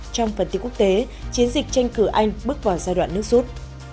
trong phần tiết quốc tế chiến dịch tranh cử anh bước vào giai đoạn nước rút